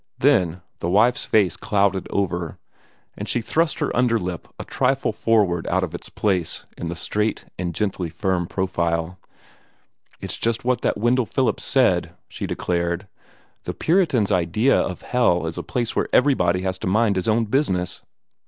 Then the wife's face clouded over, and she thrust her under lip a trifle forward out of its place in the straight and gently firm profile. "It's just what Wendell Phillips said," she declared. "'The Puritan's idea of hell is a place where everybody has to mind his own business.'"